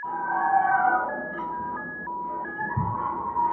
مور بې حاله کيږي ناڅاپه،